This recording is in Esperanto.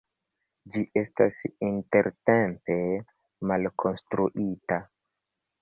Ĝi estas intertempe malkonstruita.